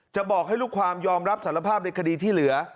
บอกให้ลูกความยอมรับสารภาพในคดีที่เหลือ